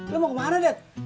lo mau kemana dad